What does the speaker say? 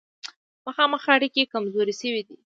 مخامخ اړیکې کمزورې شوې دي.